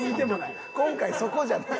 今回そこじゃない。